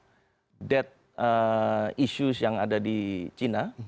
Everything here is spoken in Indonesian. isu kematian yang ada di china